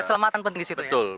keselamatan penting di situ